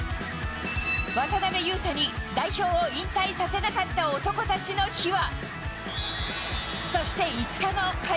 渡邊雄太に代表を引退させなかった男たちの秘話。